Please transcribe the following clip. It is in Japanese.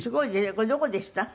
これどこでした？